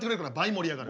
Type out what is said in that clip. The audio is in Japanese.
盛り上がる？